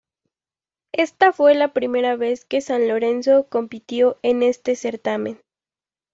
Ésta fue la primera vez que San Lorenzo compitió en este certamen.